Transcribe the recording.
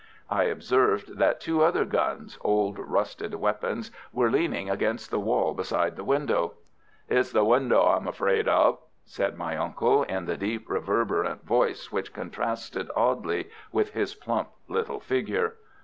I observed that two other guns, old rusted weapons, were leaning against the wall beside the window. "It's the window I'm afraid of," said my uncle, in the deep, reverberant voice which contrasted oddly with his plump little figure.